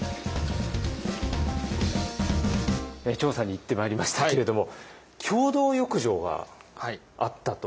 調査に行ってまいりましたけれども共同浴場があったと。